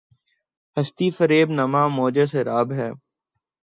ہستی‘ فریب نامۂ موجِ سراب ہے